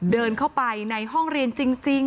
เดินเข้าไปในห้องเรียนจริง